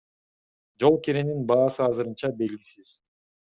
Жол киренин баасы азырынча белгисиз.